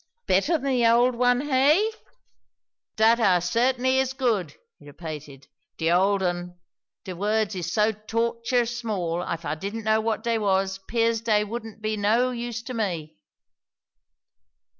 "Better than the old one, hey?" "Dat ar certainly is good," he repeated. "De old un, de words is so torturous small, if I didn't know what dey was, 'pears dey wouldn't be no use to me."